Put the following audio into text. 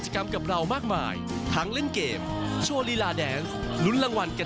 จับโทษรวมวันนี้กับไทยรักษณีย์แน่นอนค่ะ